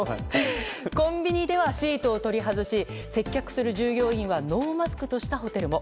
コンビニではシートを取り外し接客する従業員はノーマスクとしたホテルも。